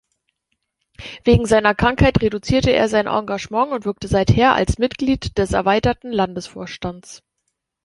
Wegen seiner Krankheit reduzierte er sein Engagement und wirkte seither als Mitgliedes erweiterten Landesvorstandes.